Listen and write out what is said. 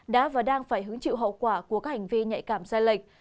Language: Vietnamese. đã và đang phải hứng chịu hậu quả của các hành vi nhạy cảm sai lệch